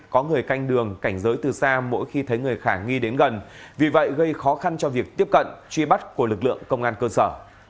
có người canh đường cảnh giới từ xa mỗi khi thấy người khả nghi đến gần vì vậy gây khó khăn cho việc tiếp cận truy bắt của lực lượng công an cơ sở